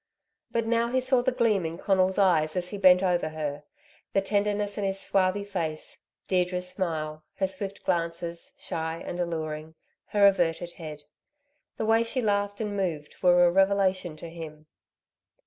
But now he saw the gleam in Conal's eyes as he bent over her, the tenderness in his swarthy face, Deirdre's smile, her swift glances, shy and alluring, her averted head. The way she laughed and moved were a revelation to him.